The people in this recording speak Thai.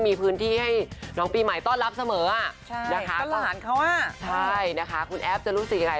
มีพื้นที่ให้น้องปีใหม่ต้อนรับเสมอนะคะคุณแอฟจะรู้สึกยังไง